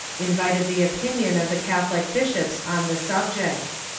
invited the opinion of the Catholic bishops on the subject.